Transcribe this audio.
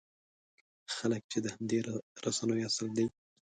خلک چې د همدې رسنیو اصل دی.